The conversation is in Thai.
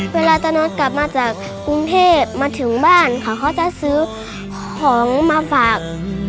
เวลาตอนนั้นกลับมาจากกรุงเทพมาถึงบ้านค่ะเขาจะซื้อของมาฝาก